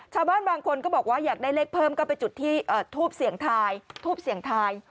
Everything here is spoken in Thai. ชาวบ้านบางคนก็บอกว่าอยากได้เลขเพิ่มก็ไปจุดที่ทูบเสี่ยงทายทูบเสี่ยงทาย